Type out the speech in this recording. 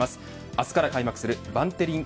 明日から開幕するバンテリン